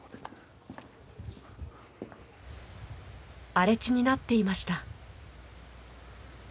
荒れ地になっていました。